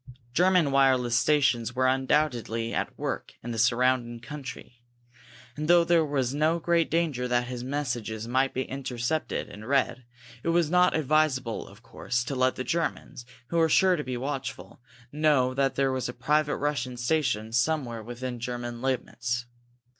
German wireless stations were undoubtedly at work in the surrounding country, and, though there was no great danger that his messages might be intercepted and read, it was not advisable, of course, to let the Germans, who were sure to be watchful, know that there was a private Russian station somewhere within German limits.